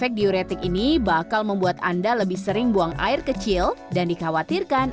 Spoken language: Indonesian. efek diuretik ini bakal membuat anda lebih sering buang air kecil dan dikhawatirkan